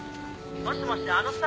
☎もしもしあのさ